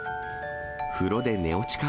風呂で寝落ちか。